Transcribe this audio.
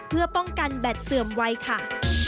เพื่อป้องกันแบตเสื่อมวัยค่ะ